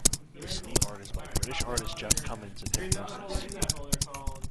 The sleeve-art is by British artist Jeff Cummins and Hipgnosis.